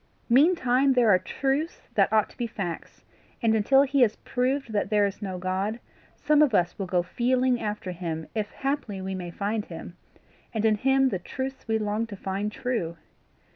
Meantime there are truths that ought to be facts, and until he has proved that there is no God, some of us will go feeling after him if haply we may find him, and in him the truths we long to find true.